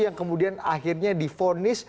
yang kemudian akhirnya difonis